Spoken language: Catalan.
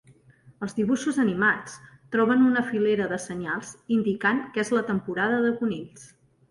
Els dibuixos animats troben una filera de senyals indicant que és la temporada de conills.